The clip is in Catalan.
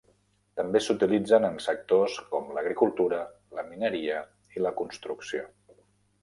També s'utilitzen en sectors com l'agricultura, la mineria i la construcció.